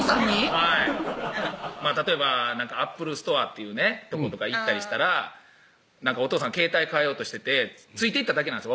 はい例えばＡｐｐｌｅＳｔｏｒｅっていうとこ行ったりしたらおとうさん携帯替えようとしててついていっただけなんです